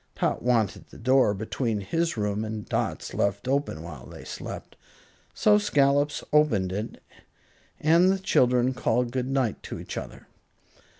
Tot wanted the door between his room and Dot's left open while they slept, so Scollops opened it and the children called good night to each other.